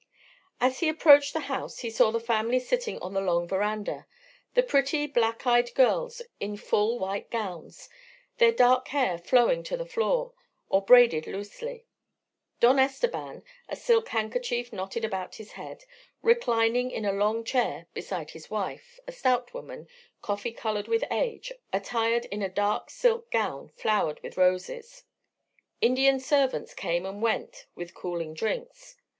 As he approached the house he saw the family sitting on the long verandah: the pretty black eyed girls in full white gowns, their dark hair flowing to the floor, or braided loosely; Don Esteban, a silk handkerchief knotted about his head, reclining in a long chair beside his wife, a stout woman, coffee coloured with age, attired in a dark silk gown flowered with roses. Indian servants came and went with cooling drinks.